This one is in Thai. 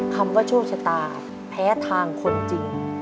คำว่าโชคชะตาแพ้ทางคนจริง